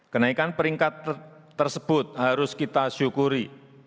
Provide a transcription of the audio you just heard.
kenaikan peringkat tersebut harus kita syukuri